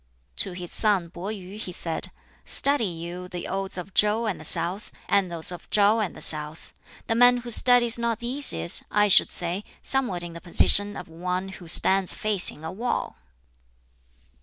To his son Pih yu he said, "Study you the Odes of Chow and the South, and those of Shau and the South. The man who studies not these is, I should say, somewhat in the position of one who stands facing a wall!"